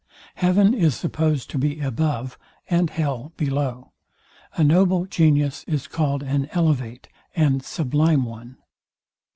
Heaven is supposed to be above, and hell below. A noble genius is called an elevate and sublime one.